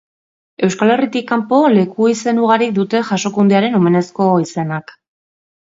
Euskal Herritik kanpo, leku-izen ugarik dute Jasokundearen omenezko izenak.